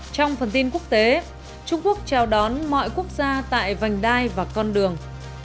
trong phần tin quốc tế trung quốc chào đón mọi quốc gia tại vành đai và con đường